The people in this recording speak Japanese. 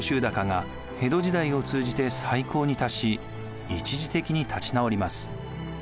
高が江戸時代を通じて最高に達し一時的に立ち直ります。